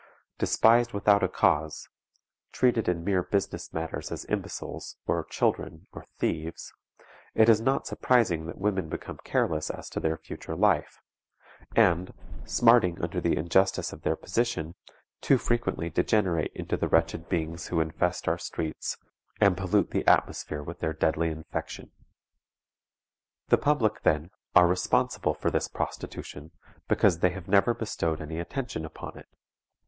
Despised without a cause; treated in mere business matters as imbeciles, or children, or thieves, it is not surprising that women become careless as to their future life, and, smarting under the injustice of their position, too frequently degenerate into the wretched beings who infest our streets and pollute the atmosphere with their deadly infection. The public, then, are responsible for this prostitution, because they have never bestowed any attention upon it.